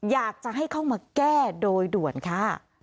อยากจะให้เข้ามาแก้โดยด่วนค่ะ